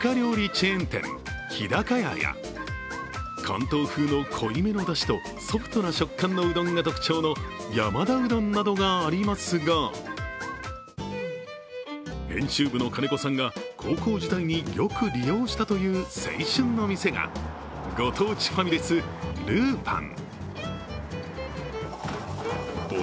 チェーン店日高屋や関東風の濃いめのだしとソフトな食感のうどんが特徴の山田うどんなどがありますが編集部の金子さんが高校時代によく利用したという学生やファミリー層に大人気。